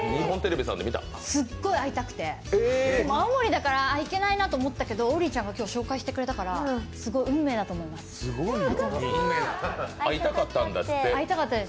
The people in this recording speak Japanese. すっごい会いたくて、青森だから行けないなと思ったけど、王林ちゃんが今日紹介してくれたからすごい、運命だと思います、会いたかったです。